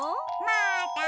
まだ！